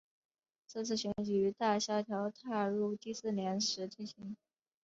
这次选举于大萧条踏入第四年时进行。